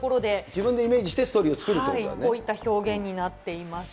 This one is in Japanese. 自分でイメージして、ストーこういった表現になっています。